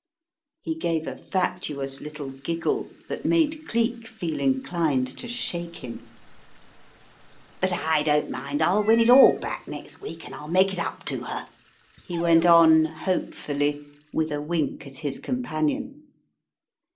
He gave a fatuous little giggle that made Cleek feel inclined to shake him. 178 The Riddle of the Purple Emperor "But I don't mind, I'll win it all back next week, and I'll make it up to her," he went on hopefully, with a wink at his companion.